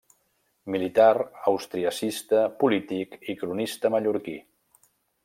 Militar, austriacista, polític i cronista mallorquí.